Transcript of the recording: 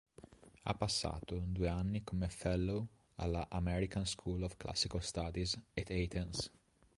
Ha passato due anni come Fellow alla American School of Classical Studies at Athens.